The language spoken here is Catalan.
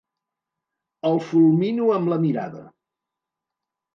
El fulmino amb la mirada.